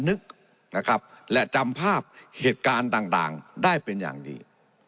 นึกนะครับและจำภาพเหตุการณ์ต่างได้เป็นอย่างดี